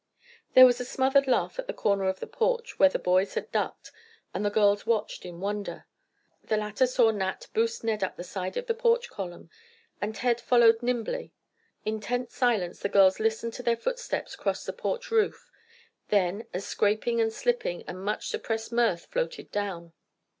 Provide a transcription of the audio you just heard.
There was a smothered laugh at the corner of the porch where the boys had ducked, and the girls watched in wonder. The latter saw Nat boost Ned up the side of the porch column, and Ted followed nimbly. In tense silence the girls listened to their footsteps cross the porch roof, then as scraping and slipping and much suppressed mirth floated down.